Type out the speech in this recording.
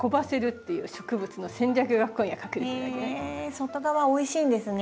外側おいしいんですね？